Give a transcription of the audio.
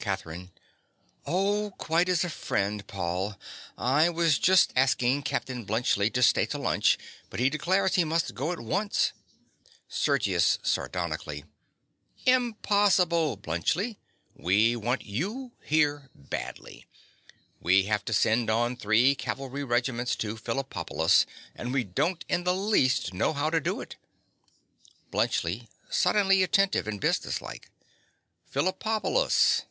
CATHERINE. Oh, quite as a friend, Paul. I was just asking Captain Bluntschli to stay to lunch; but he declares he must go at once. SERGIUS. (sardonically). Impossible, Bluntschli. We want you here badly. We have to send on three cavalry regiments to Phillipopolis; and we don't in the least know how to do it. BLUNTSCHLI. (suddenly attentive and business like). Phillipopolis!